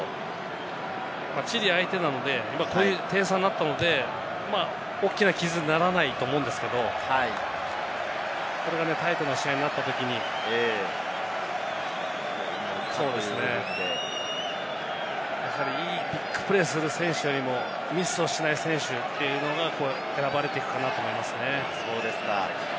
チリ相手なので、こういう点差になったので、大きな傷にはならないと思うんですけれども、これがタイトな試合になったときには、やはりビッグプレーをする選手よりも、ミスをしない選手というのが選ばれていくかなと思いますね。